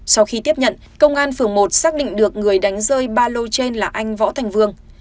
sau khi tiếp nhận công an phường một xác định được người đánh rơi ba lô trên là anh võ thành vương